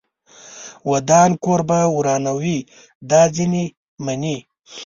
ودان کور به ورانوي دا ځینې مینې